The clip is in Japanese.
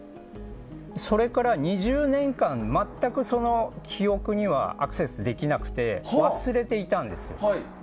それから２０年間全くその記憶にはアクセスできなくて忘れていたんですよ。